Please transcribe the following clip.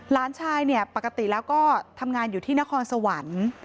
หลานชายเนี่ยปกติแล้วก็ทำงานอยู่ที่นครสวรรค์